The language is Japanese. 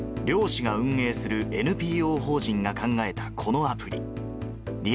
猟師が運営するＮＰＯ法人が考えたこのアプリ。